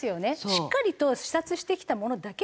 しっかりと視察してきたものだけを上げて。